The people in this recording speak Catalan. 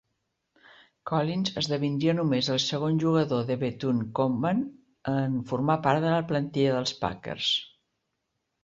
Collins esdevindria només el segon jugador de Bethune-Cookman en formar part de la plantilla dels Packers.